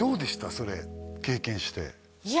それ経験していや